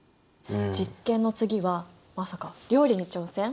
実験の次はまさか料理に挑戦？